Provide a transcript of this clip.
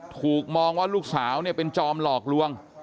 ถูกมองว่าลูกสาวเนี่ยเป็นจอมหลอกลวง